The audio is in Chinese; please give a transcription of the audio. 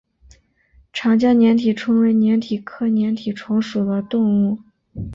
长江粘体虫为粘体科粘体虫属的动物。